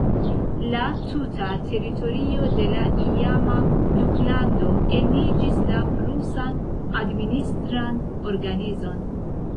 La tuta teritorio de la iama duklando eniĝis la prusan administran organizon.